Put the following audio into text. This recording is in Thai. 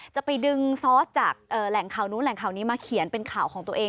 จะไปดึงซอสจากแหล่งข่าวนู้นแหล่งข่าวนี้มาเขียนเป็นข่าวของตัวเอง